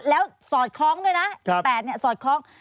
แล้วสอดคล้องด้วยนะ๑๘สอดคล้อง